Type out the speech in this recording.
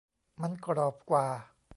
มันกรอบกว่า